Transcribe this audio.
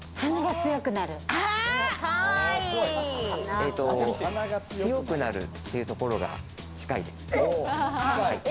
強くなるっていうところが近いです。